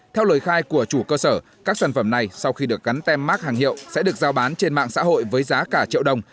theo lời khai của chủ cơ sở các sản phẩm này sau khi được gắn tem mát hàng hiệu sẽ được giao bán trên mạng xã hội với giá cả triệu đồng